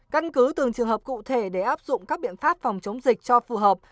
căn cứ từng trường hợp cụ thể để áp dụng các biện pháp phòng chống dịch cho phù hợp